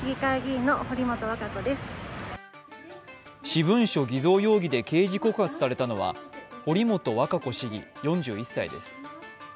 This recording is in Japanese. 私文書偽造容疑で刑事告発されたのは堀本和歌子市議４１歳です。